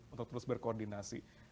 untuk terus berkoordinasi